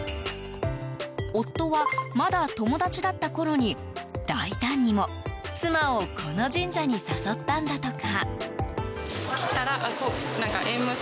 夫は、まだ友達だったころに大胆にも妻をこの神社に誘ったんだとか。